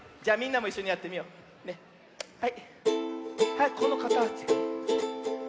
はいこのかたち。